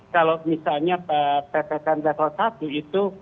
kalau misalnya ppkm level satu itu